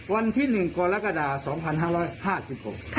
วันที่๑กฎรกฎา๒๕๕๖ไว้